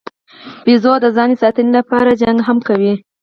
بیزو د ځان ساتنې لپاره جګړه هم کوي.